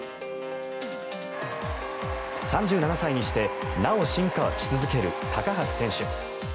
３７歳にしてなお進化し続ける高橋選手。